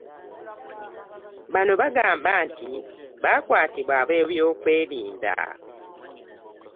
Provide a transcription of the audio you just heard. Bano bagamba nti baakwatibwa ab'ebyokwerinda